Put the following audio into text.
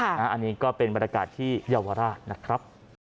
อันนี้ก็เป็นบรรยากาศที่เยาวราชนะครับ